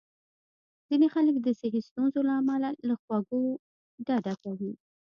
ځینې خلک د صحي ستونزو له امله له خوږو ډډه کوي.